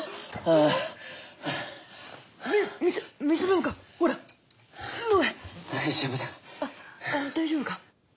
あっ大丈夫か。